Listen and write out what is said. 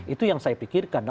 itu yang saya pikirkan